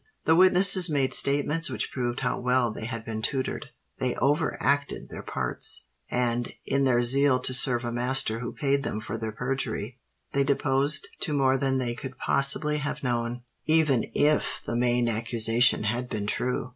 The witnesses made statements which proved how well they had been tutored: they over acted their parts; and, in their zeal to serve a master who paid them for their perjury, they deposed to more than they could possibly have known, even if the main accusation had been true.